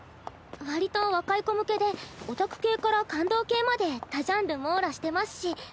割と若い子向けでオタク系から感動系まで多ジャンル網羅してますし。